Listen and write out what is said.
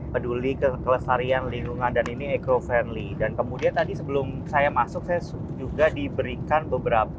peduli ke kelestarian lingkungan dan ini ecro friendly dan kemudian tadi sebelum saya masuk saya juga diberikan beberapa